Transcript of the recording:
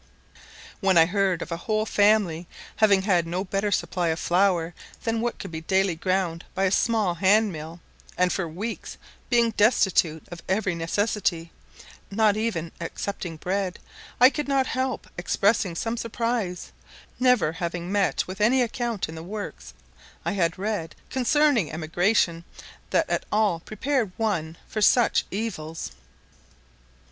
When I heard of a whole family having had no better supply of flour than what could be daily ground by a small hand mill, and for weeks being destitute of every necessary, not even excepting bread, I could not help expressing some surprise, never having met with any account in the works I had read concerning emigration that at all prepared one for such evils.